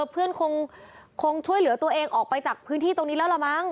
เพื่อนคงช่วยเหลือตัวเองออกไปจากพื้นที่ตรงนี้แล้วล่ะมั้ง